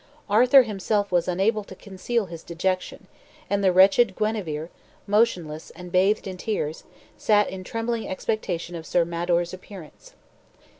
Arthur himself was unable to conceal his dejection, and the wretched Guenever, motionless and bathed in tears, sat in trembling expectation of Sir Mador's appearance.